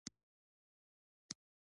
دا د دې لپاره نه چې د روم پولې وساتي